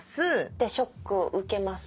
でショックを受けます。